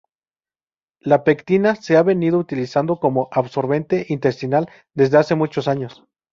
La pectina se ha venido utilizando como absorbente intestinal desde hace muchos años.